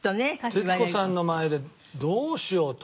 徹子さんの前でどうしようと。